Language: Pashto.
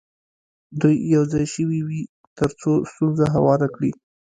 دوی یو ځای شوي وي تر څو ستونزه هواره کړي.